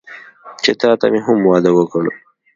چې تاته مې هم واده وکړ.